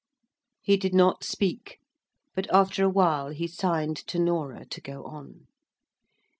He did not speak; but, after a while, he signed to Norah to go on.